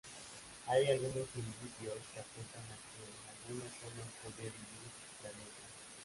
Hay algunos indicios que apuntan a que en algunas zonas podría vivir la nutria.